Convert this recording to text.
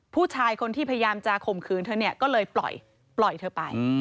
ผู้ชายคนที่พยายามจะข่มขืนเธอเนี่ยก็เลยปล่อยเธอไป